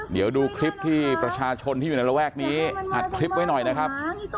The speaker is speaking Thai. เดี๋ยวดูคลิปที่ประชาชนที่อยู่ในระแวกนี้อัดคลิปไว้หน่อยนะครับ